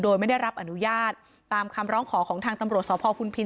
โดยไม่ได้รับอนุญาตตามคำร้องขอของทางตำรวจสพพุนพิน